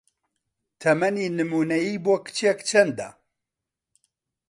تەمەنی نموونەیی بۆ کچێک چەندە؟